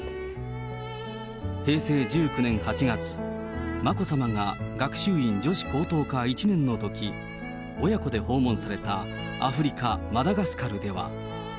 平成１９年８月、眞子さまが学習院女子高等科１年のとき、親子で訪問されたアフリカ・マダガスカルでは。